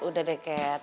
udah deh cat